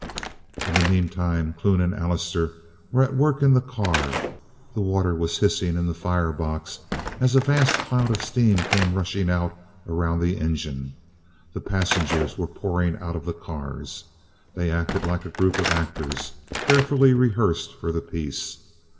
In the meantime, Clune and Allister were at work in the car; the water was hissing in the fire box as a vast cloud of steam came rushing out around the engine; the passengers were pouring out of the cars. They acted like a group of actors, carefully rehearsed for the piece.